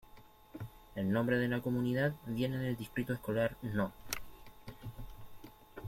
El nombre de la comunidad viene del Distrito Escolar No.